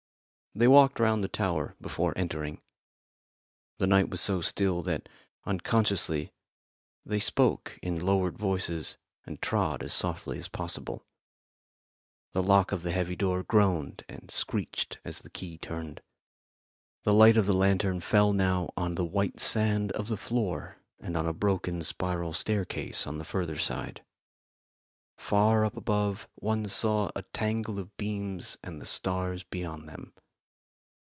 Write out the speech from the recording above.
They walked round the tower before entering. The night was so still that, unconsciously, they spoke in lowered voices and trod as softly as possible. The lock of the heavy door groaned and screeched as the key turned. The light of the lantern fell now on the white sand of the floor and on a broken spiral staircase on the further side. Far up above one saw a tangle of beams and the stars beyond them.